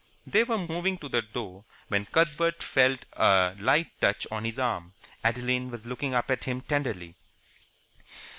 They were moving to the door, when Cuthbert felt a light touch on his arm. Adeline was looking up at him tenderly.